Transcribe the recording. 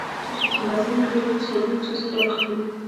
ناسمې کړنې تاسو له ډېرو ستونزو سره مخ کوي!